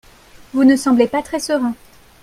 Vous ne semblez pas très serein